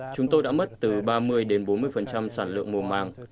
chúng tôi đã mất từ ba mươi bốn mươi sản lượng mùa màng